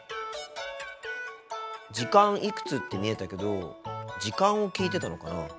「時間いくつ」って見えたけど時間を聞いてたのかな？